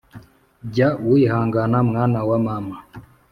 jya wihangana mwana wa mama,